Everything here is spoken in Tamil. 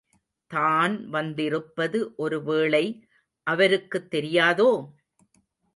தான் வந்திருப்பது ஒரு வேளை அவருக்குத் தெரியாதோ?